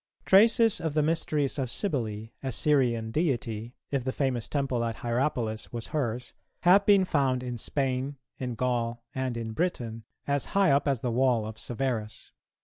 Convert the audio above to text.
[213:1] Traces of the mysteries of Cybele, a Syrian deity, if the famous temple at Hierapolis was hers, have been found in Spain, in Gaul, and in Britain, as high up as the wall of Severus.